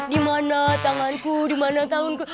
dimana tanganku dimana tanganku